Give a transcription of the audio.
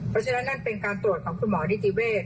เพราะฉะนั้นนั่นเป็นการตรวจของคุณหมอนิติเวศ